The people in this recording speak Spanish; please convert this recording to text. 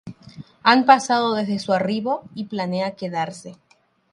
Han pasado desde su arribo, y planea quedarse.